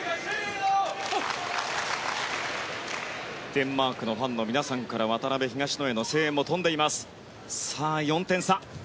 デンマークのファンの皆さんから渡辺、東野への声援も飛んでいます。